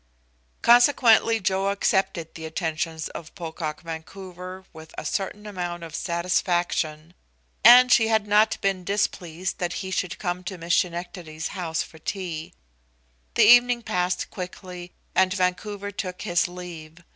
Consequently Joe accepted the attentions of Pocock Vancouver with a certain amount of satisfaction, and she had not been displeased that he should come to Miss Schenectady's house for tea. The evening passed quickly, and Vancouver took his leave.